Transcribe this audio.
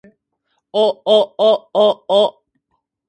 おおおおお